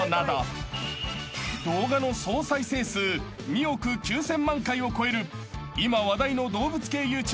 ［動画の総再生数２億９，０００万回を超える今話題の動物系ＹｏｕＴｕｂｅｒ